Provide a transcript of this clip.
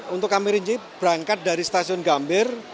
untuk kami rinci berangkat dari stasiun gambir